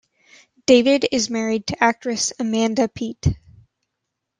David is married to actress Amanda Peet.